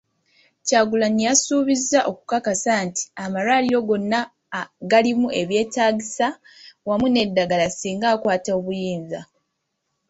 Kyagulanyi yasuubizza okukakasa nti amalwaliro gonna galimu ebyetaagisa awamu n'eddagala singa akwata obuyinza.